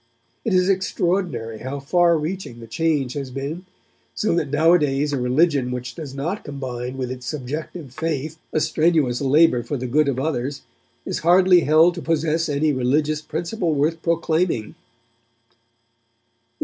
It is extraordinary how far reaching the change has been, so that nowadays a religion which does not combine with its subjective faith a strenuous labour for the good of others is hardly held to possess any religious principle worth proclaiming.